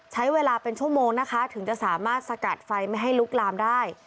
ใช้เวลาเป็นชั่วโมงนะคะถึงจะสามารถสกัดไฟไม่ให้ลุกลามได้